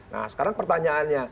nah sekarang pertanyaannya